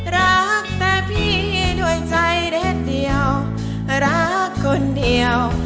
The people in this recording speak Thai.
รักแต่พี่ด้วยใจแดดเดียวรักคนเดียว